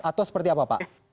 atau seperti apa pak